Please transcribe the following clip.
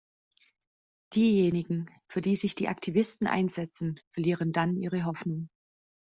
Diejenigen, für die sich die Aktivisten einsetzen, verlieren dann ihre Hoffnung.